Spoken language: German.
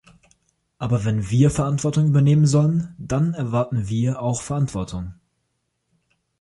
Aber wenn wir Verantwortung übernehmen sollen, dann erwarten wir auch Verantwortung.